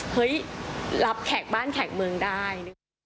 เฮ้ยรับแขกบ้านแขกเมืองได้